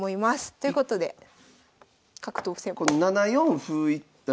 ということで角頭歩戦法。